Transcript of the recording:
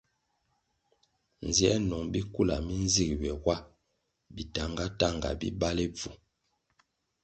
Nziē nung bikula mi nzig ywe wa bi tahnga- tahnga bi bali bvu.